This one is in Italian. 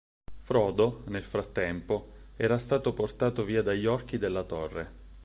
Frodo, nel frattempo, era stato portato via dagli Orchi della torre.